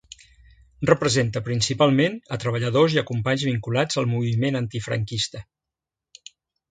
Representa principalment a treballadors i a companys vinculats al moviment antifranquista.